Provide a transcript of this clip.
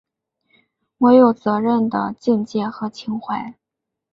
我有责任的境界和情怀